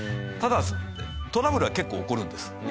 ただトラブルは結構起こるんです。